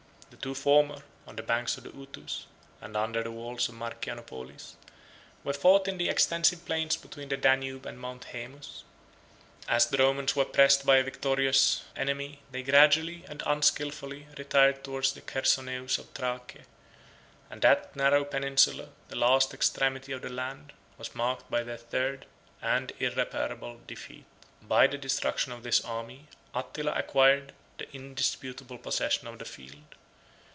The two former, on the banks of the Utus, and under the walls of Marcianopolis, were fought in the extensive plains between the Danube and Mount Haemus. As the Romans were pressed by a victorious enemy, they gradually, and unskilfully, retired towards the Chersonesus of Thrace; and that narrow peninsula, the last extremity of the land, was marked by their third, and irreparable, defeat. By the destruction of this army, Attila acquired the indisputable possession of the field.